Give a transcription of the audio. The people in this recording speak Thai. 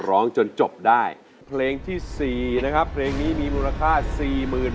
ก่อนจะนอนเอ็นกายเรื่องใดไม่เก่าเราไม่หาเมิน